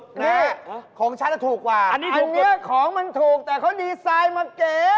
นี่ของฉันถูกกว่าอันนี้ของมันถูกแต่เขาดีไซน์มาเก๋